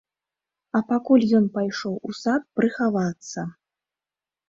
А пакуль ён пайшоў у сад прыхавацца.